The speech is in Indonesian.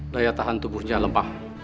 daya tahan tubuhnya lemah